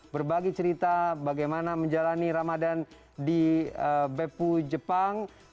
berbagi cerita bagaimana menjalani ramadan di bepu jepang